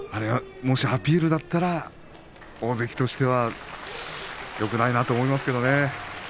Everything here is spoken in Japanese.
もしアピールだったら大関としてはよくないなと思いますけどね。